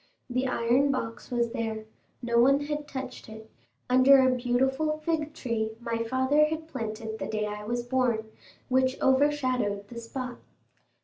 The iron box was there—no one had touched it—under a beautiful fig tree my father had planted the day I was born, which overshadowed the spot.